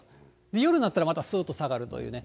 夜になったらまたすーっと下がるというね。